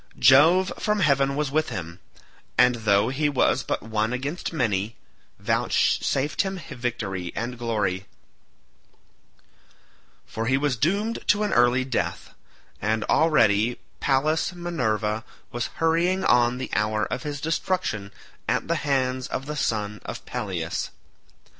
Jove from heaven was with him, and though he was but one against many, vouchsafed him victory and glory; for he was doomed to an early death, and already Pallas Minerva was hurrying on the hour of his destruction at the hands of the son of Peleus.